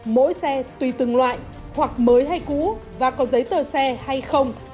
mỗi xe tùy từng loại hoặc mới hay cũ và có giấy tờ xe hay không